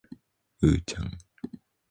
うーちゃん